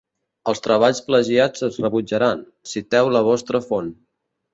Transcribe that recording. Els treballs plagiats es rebutjaran, citeu la vostra font.